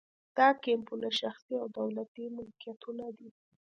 دا کیمپونه شخصي او دولتي ملکیتونه دي